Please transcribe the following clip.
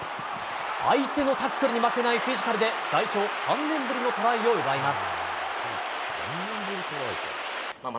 相手のタックルに負けないフィジカルで代表３年ぶりのトライを奪います。